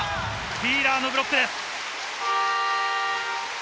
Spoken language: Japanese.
フィーラーのブロックです。